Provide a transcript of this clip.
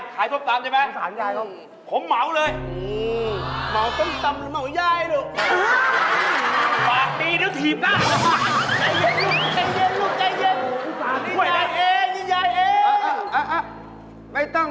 อ๋อไปกินกันยายขายซุ่มตำใช่ไหม